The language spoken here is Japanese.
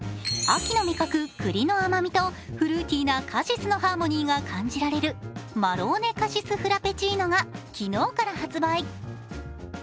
秋の味覚・くりの甘みとフルーティーなカシスのハーモニーが感じられるマローネカシスフラペチーノが昨日から発売。